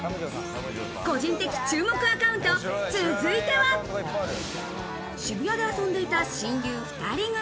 個人的注目アカウント、続いては、渋谷で遊んでいた親友２人組。